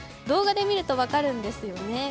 動画で見ると分かるんですよね。